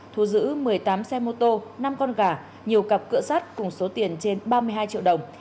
thu giữ một mươi tám xe mô tô năm con gà nhiều cặp cửa sát cùng số tiền trên ba mươi hai triệu đồng